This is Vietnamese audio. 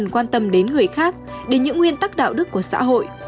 quan tâm đến người khác đến những nguyên tắc đạo đức của xã hội